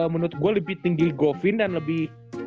menurut gue lebih tinggi govin dan lebih